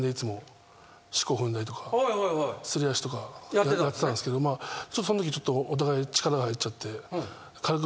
すり足とかやってたんですけどそのときお互い力が入っちゃって軽く